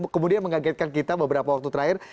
kemudian mengagetkan kita beberapa waktu terakhir